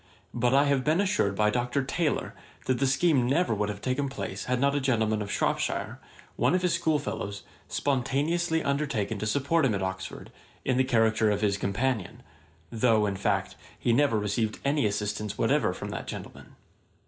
But I have been assured by Dr. Taylor that the scheme never would have taken place had not a gentleman of Shropshire, one of his schoolfellows, spontaneously undertaken to support him at Oxford, in the character of his companion; though, in fact, he never received any assistance whatever from that gentleman.